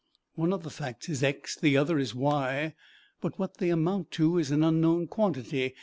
One of the facts is x and the other is y, but what they amount to is an unknown quantity.